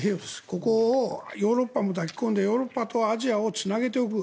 ここをヨーロッパも抱き込んでヨーロッパとアジアをつなげておく。